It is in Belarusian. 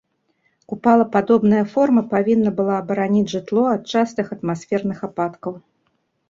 Купалападобная форма павінна была абараніць жытло ад частых атмасферных ападкаў.